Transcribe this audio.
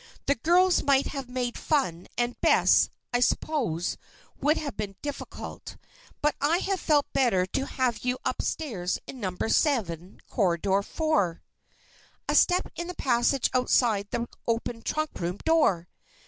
The girls might have made fun, and Bess, I s'pose, would have been difficult. But I'd have felt better to have you up stairs in Number Seven, Corridor Four " A step in the passage outside the open trunk room door!